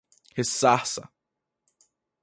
ressarça